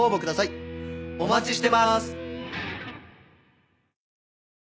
お待ちしてます。